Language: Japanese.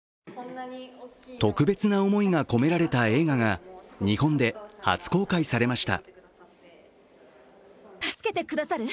特別な思いが込められた映画が日本で初公開されました。